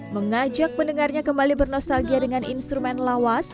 mengajak pendengarnya kembali bernostalgia dengan instrumen lawas